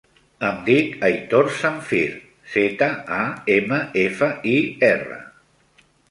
Em dic Aitor Zamfir: zeta, a, ema, efa, i, erra.